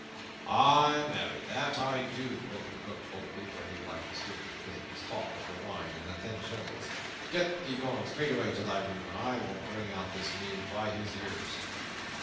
"Ay, marry, that do I," quoth the Cook boldly, for he liked the Steward because of his talk of the wine and of the ten shillings. "Get thee gone straightway to thy room, and I will bring out this knave by his ears."